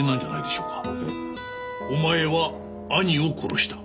お前は兄を殺した。